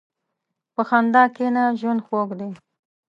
په خندا کښېنه، ژوند خوږ دی.